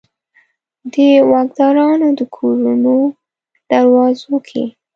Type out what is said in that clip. د واکدارانو د کورونو دروازو کې